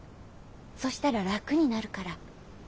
そしたら楽になるから。